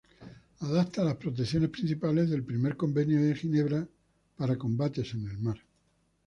Adapta las protecciones principales del Primer Convenio de Ginebra para combates en el mar.